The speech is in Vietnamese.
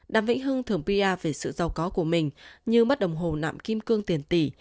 đàm vĩnh hưng thường pia về sự giàu có của mình như mất đồng hồ nạm kim cương tiền tỷ